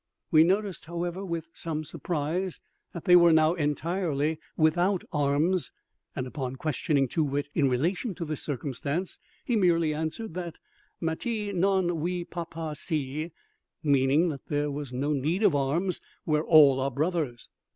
We noticed, however, with some surprise, that they were now entirely without arms; and, upon questioning Too wit in relation to this circumstance, he merely answered that Mattee non we pa pa si—meaning that there was no need of arms where all were brothers.